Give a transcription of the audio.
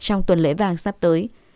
trong tuần lễ vàng sắp tới